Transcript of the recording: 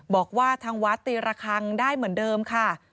บอกว่าทางวัดตีระคังได้เหมือนเดิมค่ะ